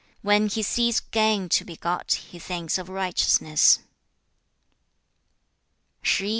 When he sees gain to be got, he thinks of righteousness.'